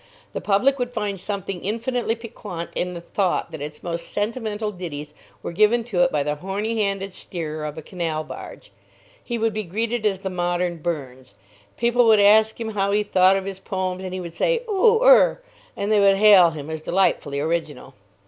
The public would find something infinitely piquant in the thought that its most sentimental ditties were given to it by the horny handed steerer of a canal barge. He would be greeted as the modern Burns. People would ask him how he thought of his poems, and he would say, "Oo er!" and they would hail him as delightfully original.